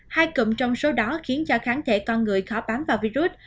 hai cụm trong số đó khiến cho kháng thể con người khó bám vào virus